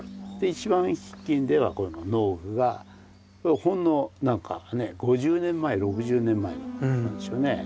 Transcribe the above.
この農具がほんの何かね５０年前６０年前のなんですよね。